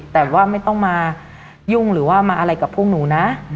แต่ว่าไม่ต้องมายุ่งหรือว่ามาอะไรกับพวกหนูนะ